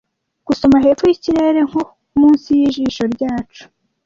gusoma hepfo yikirere nko munsi yijisho ryacu